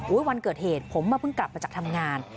วันเกิดเหตุผมมาเพิ่งกลับมาจากทำงาน